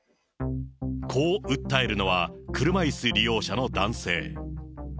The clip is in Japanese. こう訴えるのは、車いす利用者の男性。